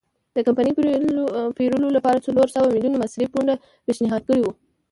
د کمپنۍ پېرلو لپاره څلور سوه میلیونه مصري پونډ پېشنهاد کړي وو.